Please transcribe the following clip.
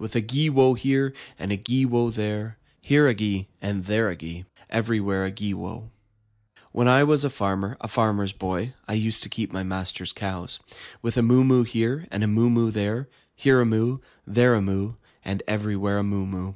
With a gee wo here, and a gee wo there. Here a gee, and there a gee, And everywhere a gee wo. When I was a farmer, a Farmer's Boy, I used to keep my master's cows. With a moo moo here, and a moo moo there, Here a moo, and there a moo, And everywhere a moo moo.